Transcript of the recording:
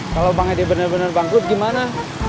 kalau bank ed bener bener bangkrut gimana